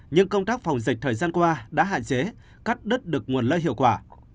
nhưng công tác phòng dịch thời gian qua đã hạn chế cắt đứt được nguồn lợi hiệu quả